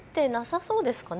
そうですね。